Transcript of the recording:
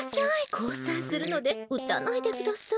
こうさんするのでうたないでください！